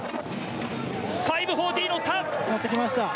５４０乗った！